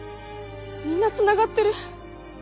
「みんなつながってる」？